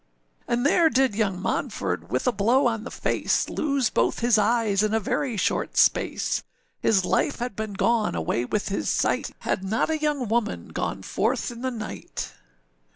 âAnd there did young Monford with a blow on the face Lose both his eyes in a very short space; His life had been gone away with his sight, Had not a young woman gone forth in the night.